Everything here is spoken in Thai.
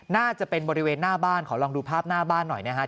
น่าจะเป็นบริเวณหน้าบ้านขอลองดูภาพหน้าบ้านหน่อยนะครับ